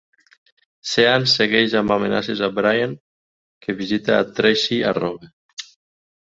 Sean segueix amb amenaces a Brian, que visita a Tracy a Roma.